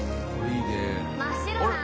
真っ白な。